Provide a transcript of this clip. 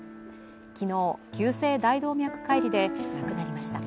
昨日、急性大動脈解離で亡くなりました。